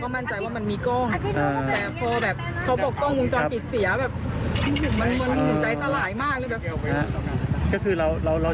มันเหมือนมีใจตลายมากเลย